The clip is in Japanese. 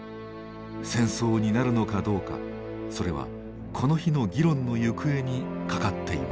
戦争になるのかどうかそれはこの日の議論の行方にかかっていました。